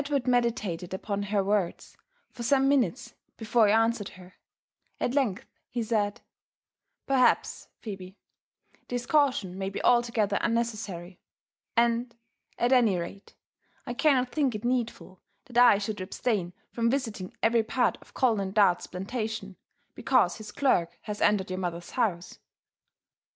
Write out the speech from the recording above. Edward m editated upon berwords for some minutes before he an swered her. At length he said, Perhaps, Phebe, this caution may be altogether unnecessary ; and, at any rate, I cannot think it needful that I should abstain from vi siting every part of Colonel Dart's plantation because his clerk has entered your mother's house.